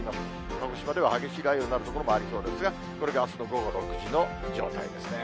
鹿児島では激しい雷雨になる所がありそうですが、これがあすの午後６時の状態ですね。